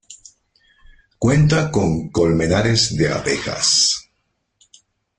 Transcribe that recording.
Cuenta con colmenares de abejas.